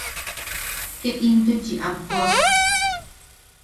Ke intuchi am puak.